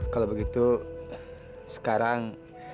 kalau begitu sekarang